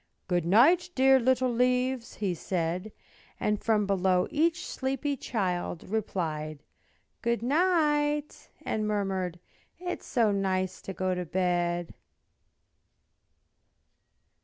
"Good night, dear little leaves" he said; And from below each sleepy child Replied "Good night," and murmured, "It is so nice to go to bed."